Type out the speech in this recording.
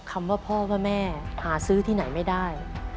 คำว่าพ่อว่าแม่หาซื้อที่ไหนไม่ได้